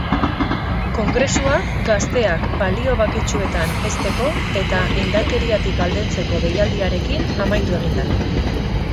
Kongresua gazteak balio baketsuetan hezteko eta indarkeriatik aldentzeko deialdiarekin amaitu egin da.